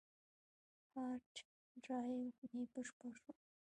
هارد ډرایو مې بشپړ شو.